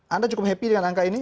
anda cukup happy dengan angka ini